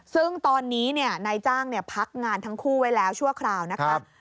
ซึ่งตอนนี้นายจ้างพักงานทั้งคู่ไว้แล้วชั่วคราวนะครับ